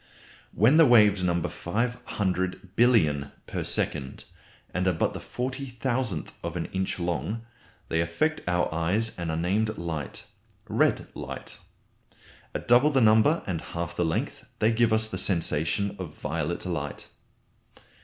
When the waves number 500 billion per second, and are but the 40,000th of an inch long they affect our eyes and are named light red light. At double the number and half the length, they give us the sensation of violet light.